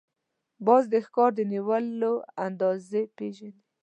باز د ښکار د نیولو اندازې پېژني